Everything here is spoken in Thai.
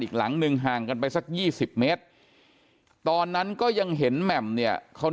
อีกหลังหนึ่งห่างกันไปสัก๒๐เมตรตอนนั้นก็ยังเห็นแหม่มเนี่ยเขา